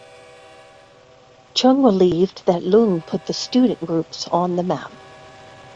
Chung believed that Leung put the student groups on the map.